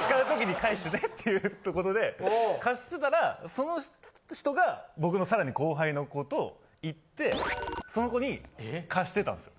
使う時に返してねっていうことで貸してたらその人が僕のさらに後輩の子と行ってその子に貸してたんですよ。